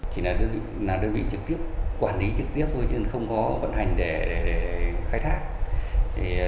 chỉ là đơn vị trực tiếp quản lý trực tiếp thôi chứ không có vận hành để khai thác